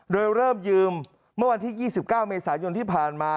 โดยเริ่มยืมเมื่อวันที่๒๙เมษายนที่ผ่านมา